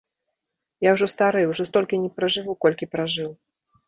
Я ўжо стары, ужо столькі не пражыву, колькі пражыў.